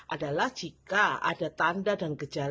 adalah jika ada tanda dan gejala